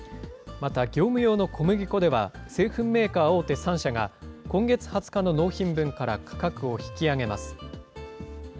また、業務用の小麦粉では、製粉メーカー大手３社が今月２０日の納品分から価格を引き上げます。